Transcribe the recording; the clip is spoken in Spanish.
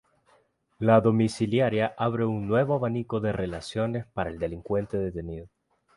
La domiciliaria abre un nuevo abanico de relaciones para el delincuente detenido.